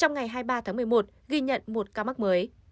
trong ngày hai mươi ba tháng một mươi một ghi nhận một ca mắc mới